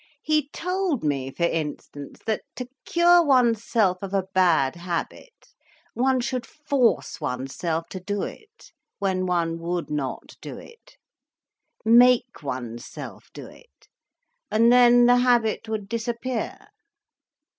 "He told me for instance, that to cure oneself of a bad habit, one should force oneself to do it, when one would not do it—make oneself do it—and then the habit would disappear."